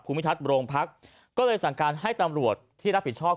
ภูมิทัศน์โรงพักก็เลยสั่งการให้ตำรวจที่รับผิดชอบ